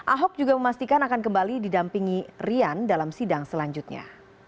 ahok juga memastikan akan kembali didampingi rian dalam sidang selanjutnya